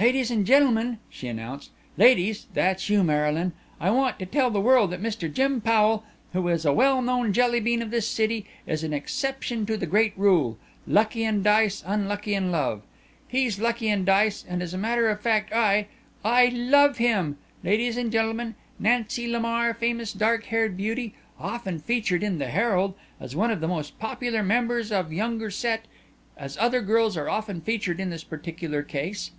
"Ladies and gentlemen," she announced, "Ladies that's you Marylyn. I want to tell the world that Mr. Jim Powell, who is a well known Jelly bean of this city, is an exception to the great rule 'lucky in dice unlucky in love.' He's lucky in dice, and as matter of fact I I love him. Ladies and gentlemen, Nancy Lamar, famous dark haired beauty often featured in the Herald as one th' most popular members of younger set as other girls are often featured in this particular case.